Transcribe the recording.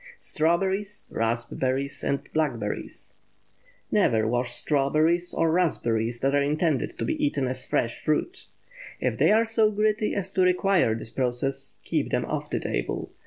STRAWBERRIES, RASPBERRIES, AND BLACKBERRIES. Never wash strawberries or raspberries that are intended to be eaten as fresh fruit. If they are so gritty as to require this process, keep them off the table.